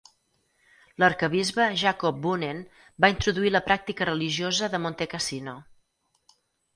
L'arquebisbe Jacob Boonen va introduir la pràctica religiosa de Monte Cassino.